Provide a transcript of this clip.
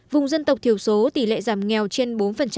vùng dân tộc thiểu số tỷ lệ giảm nghèo trên bốn